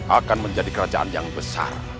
akan menjadi kerajaan yang besar